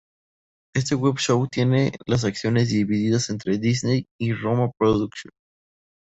Este Web Show tiene las acciones divididas entre Disney y RoMa Productions.